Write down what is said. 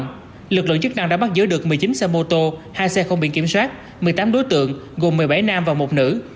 tuy nhiên tại tuyến nguyễn hữu trí lực lượng chức năng đã bắt giữ được một mươi chín xe mô tô hai xe không bị kiểm soát một mươi tám đối tượng gồm một mươi bảy nam và một nữ